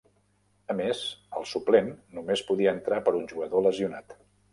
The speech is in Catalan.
A més, el suplent només podia entrar per un jugador lesionat.